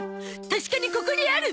確かにここにある！